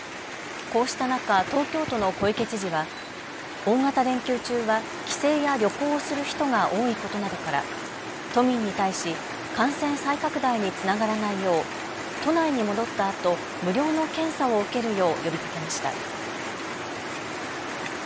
こうした中、東京都の小池知事は大型連休中は帰省や旅行をする人が多いことなどから都民に対し感染再拡大につながらないよう都内に戻ったあと無料の検査を受けるよう呼びかけました。